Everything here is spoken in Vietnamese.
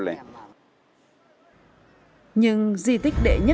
sẵn sàng đổ sập